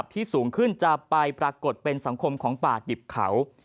สูงขึ้นจะไปปรากฏเป็นสังคมของป่าดิบเขา